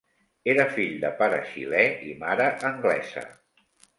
Era fill de pare xilè i mare anglesa.